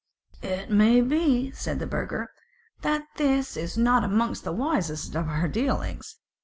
"It may be," said the Burgher, "that this is not amongst the wisest of our dealings.